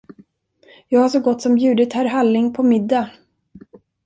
Jag har så gott som bjudit herr Halling på middag.